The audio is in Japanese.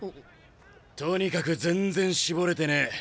とにかく全然絞れてねえ。